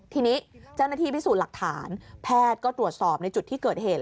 ทีนี้เจ้าหน้าที่พิสูจน์หลักฐานแพทย์ก็ตรวจสอบในจุดที่เกิดเหตุ